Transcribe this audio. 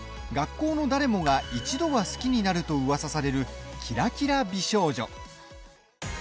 学校の誰もが一度は好きになるとうわさされるキラキラ美少女。